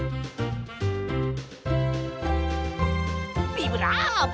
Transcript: ビブラーボ！